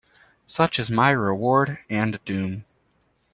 Such is my reward and doom.